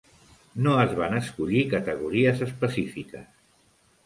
No es van escollir categories específiques.